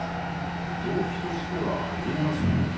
これ動機としてはあり得ますよね。